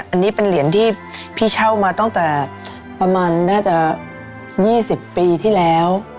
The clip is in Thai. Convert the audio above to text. อันนี้เป็นเหรียญที่พี่เช่ามาตั้งแต่ประมาณน่าจะ๒๐ปีที่แล้ว